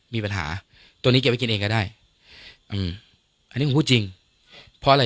มีปัญหาตัวนี้เก็บไว้กินเองก็ได้อืมอันนี้ผมพูดจริงเพราะอะไร